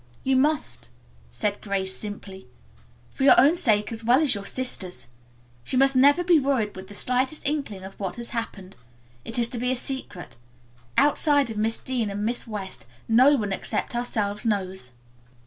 "You must," said Grace simply, "for your own sake as well as your sister's. She must never be worried with the slightest inkling of what has happened. It is to be a secret. Outside of Miss Dean and Miss West no one except ourselves knows."